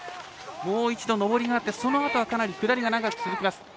もう一度、上りがあってそのあとはかなり下りが長く続きます。